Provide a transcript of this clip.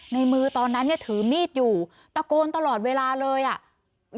ในมือตอนนั้นเนี่ยถือมีดอยู่ตะโกนตลอดเวลาเลยอ่ะ